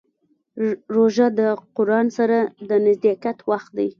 روژه د قرآن سره د نزدېکت وخت دی.